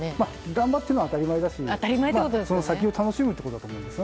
頑張ってるのは当たり前だしその先を楽しむってことだと思います。